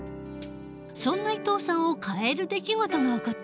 そんな伊藤さんを変える出来事が起こった。